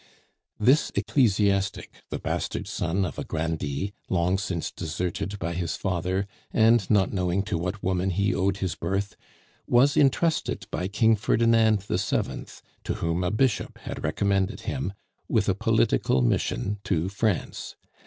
This ecclesiastic, the bastard son of a grandee, long since deserted by his father, and not knowing to what woman he owed his birth, was intrusted by King Ferdinand VII., to whom a bishop had recommended him, with a political mission to France.